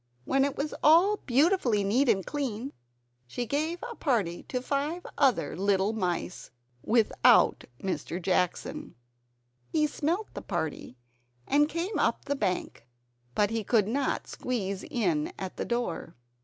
When it was all beautifully neat and clean, she gave a party to five other little mice, without Mr. Jackson. He smelt the party and came up the bank, but he could not squeeze in at the door.